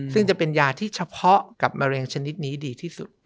ซึ่งจะเป็นยาที่เฉพาะกับมะเร็งชนิดนี้ดีที่สุด